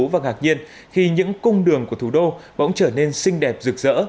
và ngạc nhiên khi những cung đường của thủ đô bỗng trở nên xinh đẹp rực rỡ